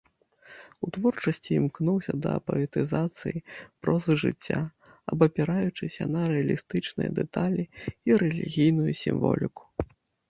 У творчасці імкнуўся да паэтызацыі прозы жыцця, абапіраючыся на рэалістычныя дэталі і рэлігійную сімволіку.